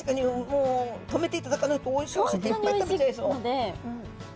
もう止めていただかないとおいしくていっぱい食べちゃいそう。